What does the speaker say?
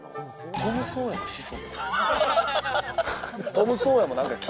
トム・ソーヤの子孫？